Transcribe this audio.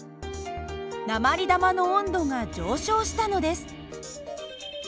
鉛玉の温度が上昇したのです。